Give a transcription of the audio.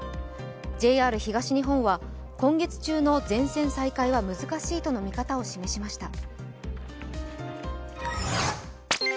ＪＲ東日本は、今月中の全線再開は難しいとの見方を示しました。